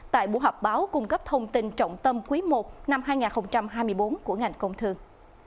tại buổi họp báo cung cấp thông tin trọng tâm quý i năm hai nghìn hai mươi bốn của ngành công thương